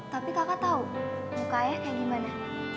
tapi kakak tau muka ayah kayak gimana